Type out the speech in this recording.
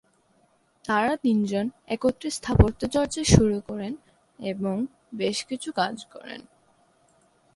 তারা তিনজন একত্রে স্থাপত্য চর্চা শুরু করেন এবং বেশ কিছু কাজ করেন।